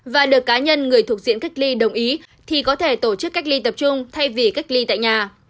và được cá nhân người thuộc diện cách ly đồng ý thì có thể tổ chức cách ly tập trung thay vì cách ly tại nhà